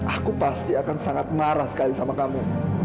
aku pasti akan sangat marah sekali sama kamu